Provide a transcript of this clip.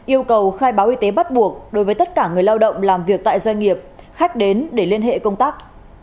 yêu cầu khai báo y tế bắt buộc đối với tất cả người lao động làm việc tại doanh nghiệp khách đến để liên hệ công tác